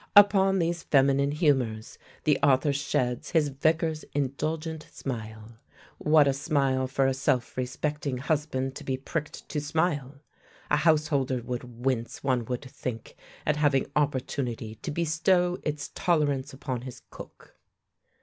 Upon these feminine humours the author sheds his Vicar's indulgent smile. What a smile for a self respecting husband to be pricked to smile! A householder would wince, one would think, at having opportunity to bestow its tolerance upon his cook.